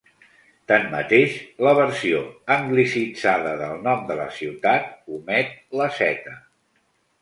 Tanmateix, la versió anglicitzada del nom de la ciutat omet la "z".